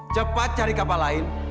cepat cari kapal lain